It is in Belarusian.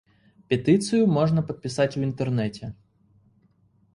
Петыцыю можна падпісаць у інтэрнэце.